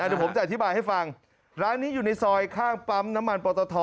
เดี๋ยวผมจะอธิบายให้ฟังร้านนี้อยู่ในซอยข้างปั๊มน้ำมันปอตท